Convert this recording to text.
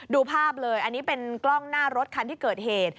ดูภาพเลยอันนี้เป็นกล้องหน้ารถคันที่เกิดเหตุ